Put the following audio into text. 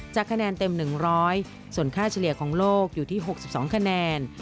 คะแนนเต็ม๑๐๐ส่วนค่าเฉลี่ยของโลกอยู่ที่๖๒คะแนน